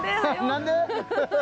何で？